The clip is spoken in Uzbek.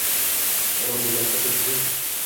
Onam bu gapni xuddi